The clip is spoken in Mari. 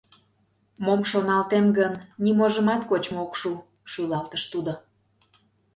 — Мом шоналтем гын, ниможымат кочмо ок шу, — шӱлалтыш тудо.